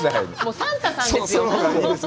サンタさんですよ。